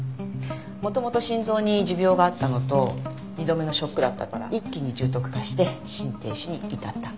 元々心臓に持病があったのと２度目のショックだったから一気に重篤化して心停止に至った。